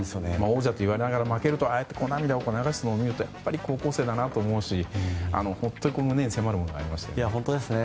王者と言われながら負けると涙を流しているのを見るとやっぱり高校生だなと思うし本当に胸に迫るものがありましたよね。